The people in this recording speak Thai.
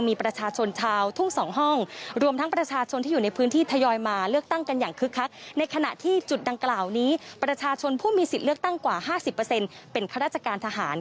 มาตรงตั้งกว่า๕๐เป็นรัฐกาศทหาร